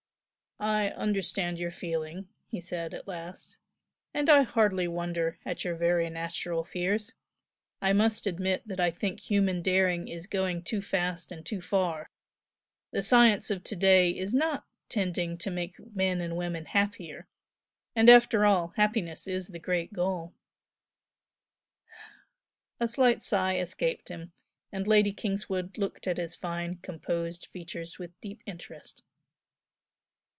"I understand your feeling"; he said, at last "And I hardly wonder at your very natural fears. I must admit that I think human daring is going too fast and too far the science of to day is not tending to make men and women happier and after all, happiness is the great goal." A slight sigh escaped him, and Lady Kingswood looked at his fine, composed features with deep interest.